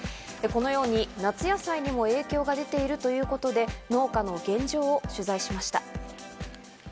このように夏野菜にも影響が出ているということで、農家の現状を取材しました。